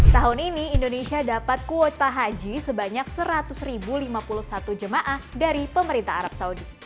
tahun ini indonesia dapat kuota haji sebanyak seratus lima puluh satu jemaah dari pemerintah arab saudi